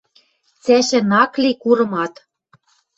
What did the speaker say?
Цӓшӓн ак ли курымат.